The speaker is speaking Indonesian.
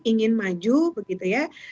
ingin maju begitu ya